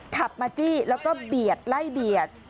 ขับมาจี้แล้วก็ไล่เบียด